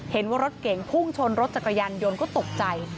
เห็นว่ารถเก่งพุ่งชนรถจักรยานยนต์ก็ตกใจ